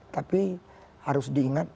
tapi harus diingat